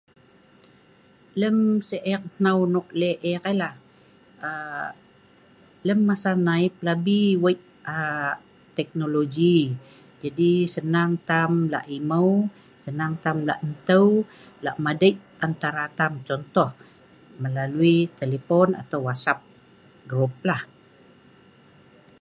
Lem sik eek hnau nok lek eek ai lah, um lem masa nai plabi weik teknologi, jadi senang tam lak emeu, senang tam lak nteu lak madei antara tam. Contoh, melalaui telepon atau whatsapp grup lah.